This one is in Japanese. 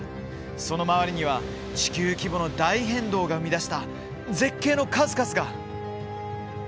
その周りには、地球規模の大変動が生み出した絶景の数々が。